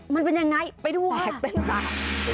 มันเป็นยังไงไปดูค่ะแสกเต้นสาก